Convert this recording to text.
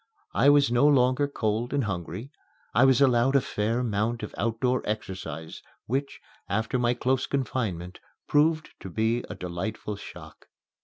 I was no longer cold and hungry. I was allowed a fair amount of outdoor exercise which, after my close confinement, proved to be a delightful shock.